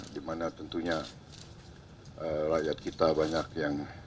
di mana tentunya rakyat kita banyak yang